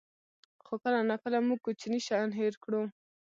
خو کله ناکله موږ کوچني شیان هېر کړو.